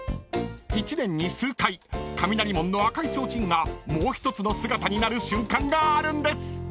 ［１年に数回雷門の赤い提灯がもう１つの姿になる瞬間があるんです！］